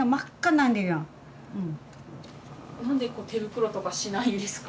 なんで手袋とかしないんですか？